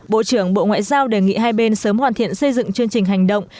bộ trưởng bộ ngoại giao đề nghị hai bên sớm hoàn thiện xây dựng chương trình hành động